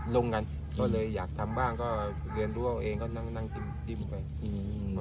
ลงกันก็เลยอยากทำบ้างก็เรียนรู้เอาเองก็นั่งนั่งจิ้มไปอืม